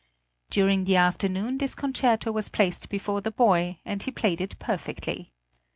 During the afternoon this concerto was placed before the boy, and he played it perfectly.